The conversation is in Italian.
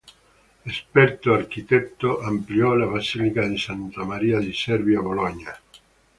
Esperto architetto, ampliò la Basilica di Santa Maria dei Servi a Bologna.